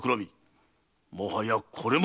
もはやこれまで！